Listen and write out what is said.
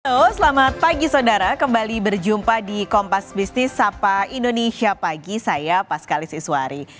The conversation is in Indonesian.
oh selamat pagi saudara kembali berjumpa di kompas bisnis sapa indonesia pagi saya pas kalis iswari